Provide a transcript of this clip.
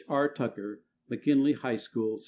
R. TUCKER, McKINLEY HIGH SCHOOL, ST.